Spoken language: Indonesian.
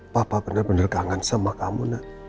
papa bener bener kangen sama kamu